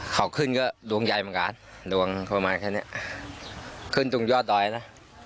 เขาขึ้นก็ดวงใหญ่เหมือนกันดวงประมาณแค่เนี้ยขึ้นตรงยอดดอยนะ